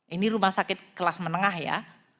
ini rumah sakit kelas menengah ya